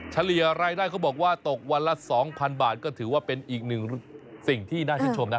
เฉลี่ยรายได้เขาบอกว่าตกวันละ๒๐๐๐บาทก็ถือว่าเป็นอีกหนึ่งสิ่งที่น่าชื่นชมนะ